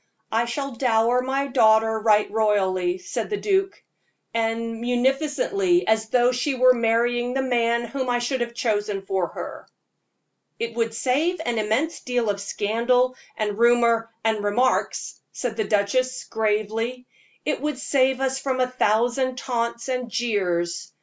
"I shall dower my daughter right royally," said the duke "as munificently as though she were marrying the man whom I should have chosen for her." "It would save an immense deal of scandal, and rumor, and remarks," said the duchess, gravely; "it would save us from a thousand taunts and jeers.